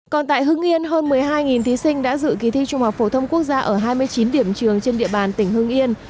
còn tại hưng yên hơn một mươi hai thí sinh đã dự kỳ thi trung học phổ thông quốc gia ở hai mươi chín điểm trường trên địa bàn tỉnh hưng yên